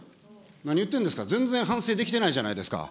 何言ってるんですか、全然反省できてないじゃないですか。